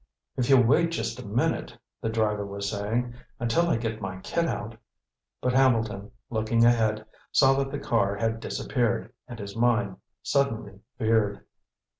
"If you'll wait just a minute " the driver was saying, "until I get my kit out " But Hambleton, looking ahead, saw that the car had disappeared, and his mind suddenly veered.